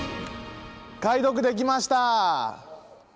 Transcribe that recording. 解読できました！